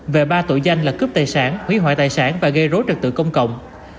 về ba tội danh là cướp tài sản hủy hoại tài sản và gây rối trật tự công cộng